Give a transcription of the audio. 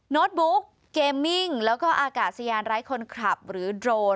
โน้ตบุ๊กเกมมิ่งแล้วก็อากาศยานไร้คนขับหรือโดรน